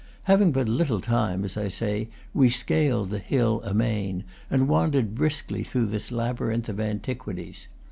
Having but little time, as I say, we scaled the hill amain, and wandered briskly through this labyrinth of antiquities.